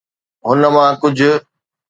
هن مان ڪجهه